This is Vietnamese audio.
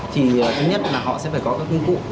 thì thứ nhất là họ sẽ phải có các công cụ